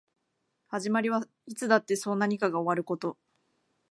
始まりはいつだってそう何かが終わること